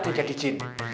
yang jadi jin